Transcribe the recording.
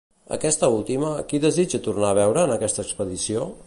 Aquesta última, qui desitja tornar a veure en aquesta expedició?